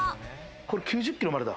これ９０ｋｇまでだ。